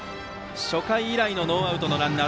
初回以来のノーアウトのランナー。